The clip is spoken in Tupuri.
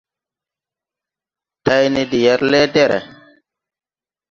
Tayne de yɛr lɛ́ɛdɛ̀rɛ̀.